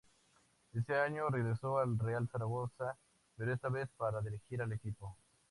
Ese año regresó al Real Zaragoza, pero esta vez para dirigir al equipo.